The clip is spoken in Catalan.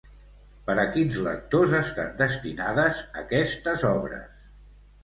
Per a quins lectors estan destinades aquestes obres?